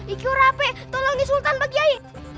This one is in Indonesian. iku rape tolongi sultan pak kyai